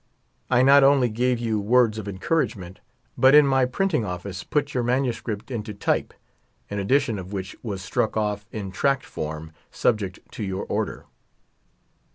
I not only gave you words of encouragement, but in my printing office put your manuscript into type, an edition of which was struck off, in tract form, subject to your order.